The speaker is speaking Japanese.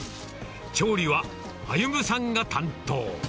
調理は歩さんが担当。